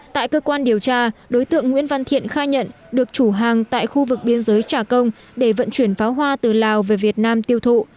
tại cơ quan điều tra đối tượng nguyễn văn thiện khai nhận được chủ hàng tại khu vực biên giới trà công để vận chuyển pháo hoa từ lào về việt nam tiêu thụ